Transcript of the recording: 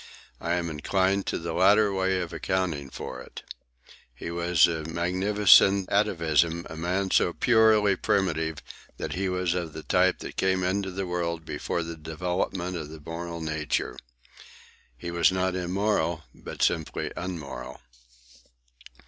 I am inclined to the latter way of accounting for it. He was a magnificent atavism, a man so purely primitive that he was of the type that came into the world before the development of the moral nature. He was not immoral, but merely unmoral.